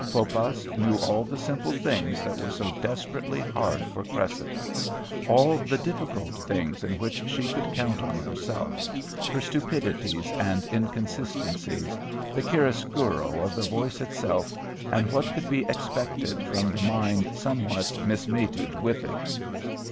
Poppas knew all the simple things that were so desperately hard for Cressida, all the difficult things in which she could count on herself; her stupidities and inconsistencies, the chiaroscuro of the voice itself and what could be expected from the mind somewhat mismated with it.